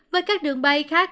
với các đường bay khác